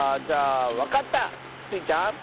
じゃあわかった！スイちゃん。